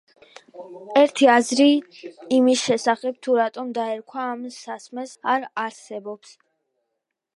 ერთი აზრი იმის შესახებ, თუ რატომ დაერქვა ამ სასმელს „სანგრია“ არ არსებობს.